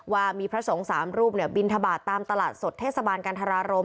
ว่ามีพระสงฆ์๓รูปบินทบาทตามตลาดสดเทศบาลกันทรารม